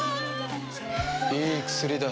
いい薬だ。